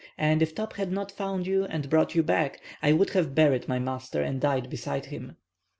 "And if Top had not found you and brought you back, I would have buried my master and died beside him."